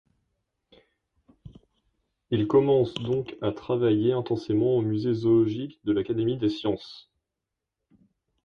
Il commence donc à travailler intensément au musée zoologique de l'Académie des sciences.